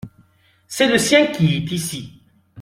C’est le sien qui est ici.